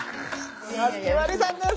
夏木マリさんです！